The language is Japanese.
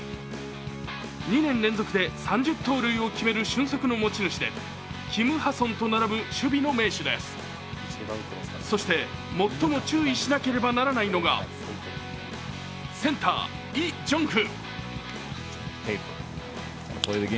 ２年連続で３０盗塁を決める俊足の持ち主でキム・ハソンと並ぶ守備の名手ですそして最も注意しなければならないのがセンター、イ・ジョンフ。